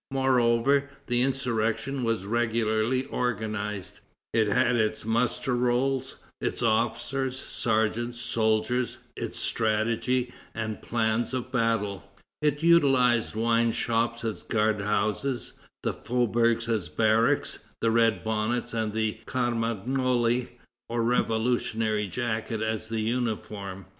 Moreover, the insurrection was regularly organized. It had its muster rolls, its officers, sergeants, soldiers; its strategy and plans of battle. It utilized wineshops as guard houses, the faubourgs as barracks, the red bonnet and the carmagnole, or revolutionary jacket, as a uniform.